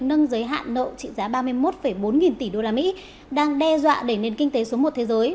nâng giới hạn nợ trị giá ba mươi một bốn nghìn tỷ đô la mỹ đang đe dọa đẩy nền kinh tế xuống một thế giới